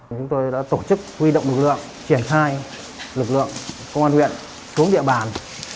chúng tôi đã tổ chức huy động lực lượng triển khai lực lượng công an huyện xuống địa bàn